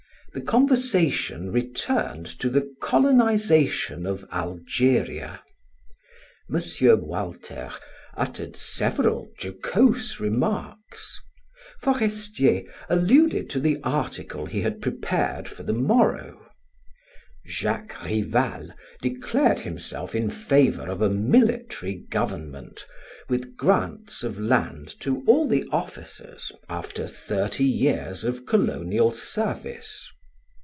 The conversation returned to the colonization of Algeria. M. Walter uttered several jocose remarks; Forestier alluded to the article he had prepared for the morrow; Jacques Rival declared himself in favor of a military government with grants of land to all the officers after thirty years of colonial service.